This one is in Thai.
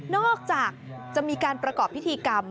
อกจากจะมีการประกอบพิธีกรรม